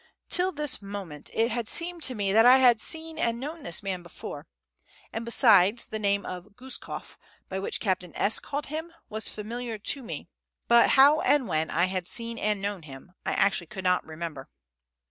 Till this moment it had seemed to me that I had seen and known this man before; and, besides the name Guskof, by which Captain S. called him, was familiar to me; but how and when I had seen and known him, I actually could not remember.